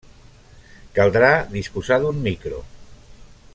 Caldrà disposar d’un micro.